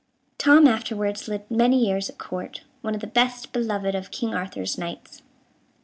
Tom afterwards lived many years at Court, one of the best beloved of King Arthur's knights.